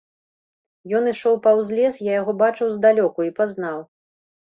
Ён ішоў паўз лес, я яго бачыў здалёку і пазнаў.